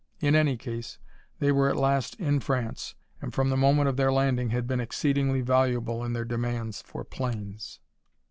In any case, they were at last in France and from the moment of their landing had been exceedingly voluble in their demands for planes.